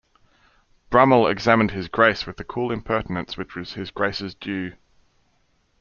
Brummell examined his Grace with the cool impertinence which was his Grace's due.